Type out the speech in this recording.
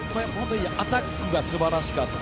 アタックが素晴らしかった。